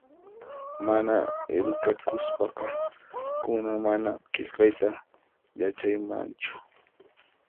Mana edukakuspaqa kunan mana qillqayta yachaymanchu